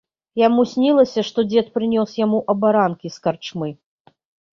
Яму снілася, што дзед прынёс яму абаранкі з карчмы.